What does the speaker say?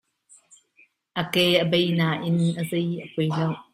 A ke a bei nain a zei a poi lo.